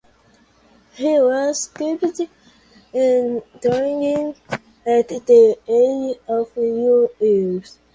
He was kept in training at the age of four years.